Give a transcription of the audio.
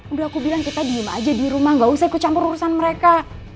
udah aku bilang kita diem aja di rumah gak usah ikut campur urusan mereka